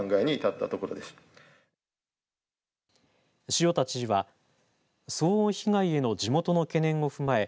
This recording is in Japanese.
塩田知事は騒音被害への地元の懸念を踏まえ